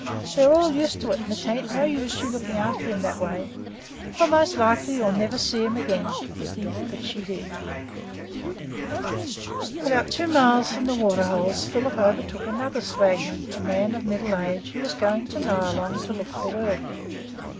We are all used to it; and it ain't no use of your looking after him that way, for most likely you'll never see him again." But she did. About two miles from the Waterholes Philip overtook another swagman, a man of middle age, who was going to Nyalong to look for work.